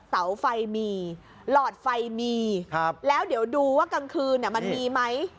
เสาไฟมีหลอดไฟมีแล้วเดี๋ยวดูว่ากลางคืนมันมีไหม